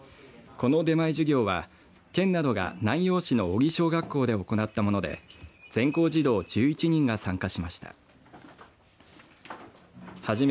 この出前授業は、県などが南陽市の荻小学校で行ったもので全校児童１１人が参加しました。